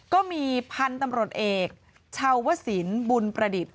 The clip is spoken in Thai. ก็มีพันธุ์ตำรวจเอกชาวสินบุญประดิษฐ์